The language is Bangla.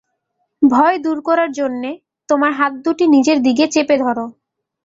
ভয় দূর করার জন্যে তোমার হাত দুটি নিজের দিকে চেপে ধর।